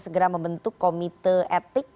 segera membentuk komite etik